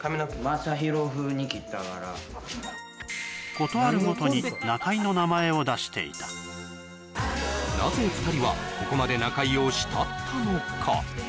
ことあるごとに中居の名前を出していたなぜ２人はここまで中居を慕ったのか？